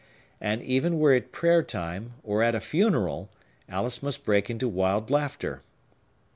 And, even were it prayer time, or at a funeral, Alice must break into wild laughter.